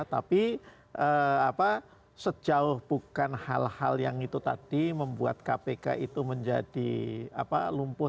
tapi sejauh bukan hal hal yang itu tadi membuat kpk itu menjadi lumpuh